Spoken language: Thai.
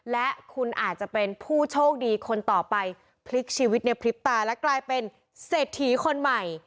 และคุณอาจจะเป็นผู้โชคดีคนต่อไปพลิกชีวิตในพริบตาและกลายเป็นเศรษฐีคนใหม่